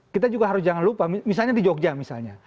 kita juga harus jangan lupa misalnya di jogja misalnya